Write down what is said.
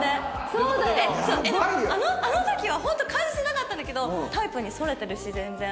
あの時はホント感じてなかったんだけどタイプにそれてるし全然。